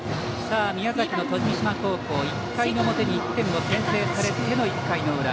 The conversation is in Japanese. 宮崎の富島高校、１回の表に１点を先制されての１回の裏。